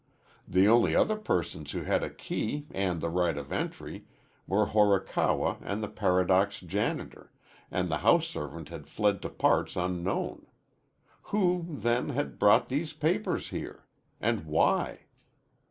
The only other persons who had a key and the right of entry were Horikawa and the Paradox janitor, and the house servant had fled to parts unknown. Who, then, had brought these papers here? And why?